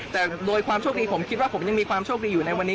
แต่โดยความโชคดีผมคิดว่าผมยังมีความโชคดีอยู่ในวันนี้